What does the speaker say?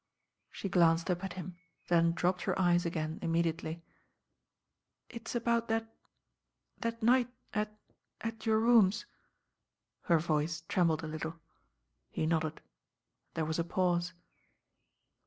She glanced up at him, then dropped her eyes again immediately. "It's about that — that night at — at your rooms. Her voice trembled a little. He nodded. There was a pause.